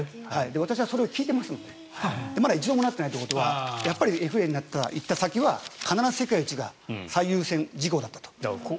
私はそれを聞いてますのでまだ一度もなってないということはやっぱりＦＡで行った先は必ず世界一が最優先事項だったと。